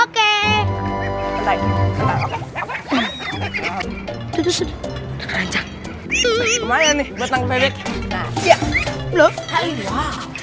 kemarin buatan bebek